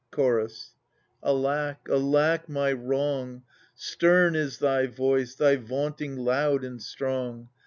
Chorus. Alack, alack my wrong ! Stern is thy voice, thy vaunting loud and strong.